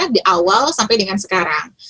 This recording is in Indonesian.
di awal sampai dengan sekarang